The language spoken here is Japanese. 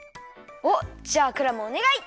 おっじゃあクラムおねがい！